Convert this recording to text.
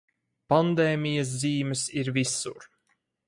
Pandēmijas zīmes ir visur.